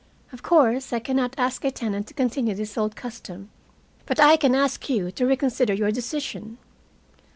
Of course I can not ask a tenant to continue this old custom, but I can ask you to reconsider your decision.